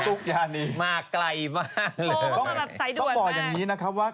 ทุกอย่างนี้มาไกลมากเลยต้องบอกอย่างนี้นะครับว่า